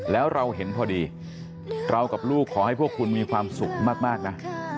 แล้วเราเห็นพอดีเรากับลูกขอให้พวกคุณมีความสุขมากนะ